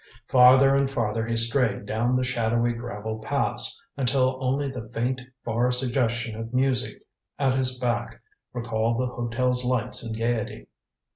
Farther and farther he strayed down the shadowy gravel paths, until only the faint far suggestion of music at his back recalled the hotel's lights and gaiety.